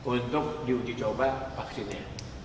untuk diuji coba vaksinnya